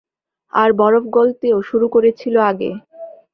আর বরফ গলতেও শুরু করেছিল আগে।